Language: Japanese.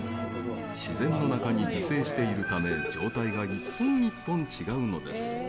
自然の中に自生しているため状態が一本一本違うのです。